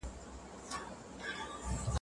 صبر او زغم لرل.